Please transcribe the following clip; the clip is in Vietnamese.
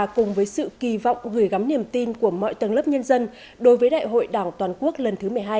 cùng với sự kỳ vọng gửi gắm niềm tin của mọi tầng lớp nhân dân đối với đại hội đảng toàn quốc lần thứ một mươi hai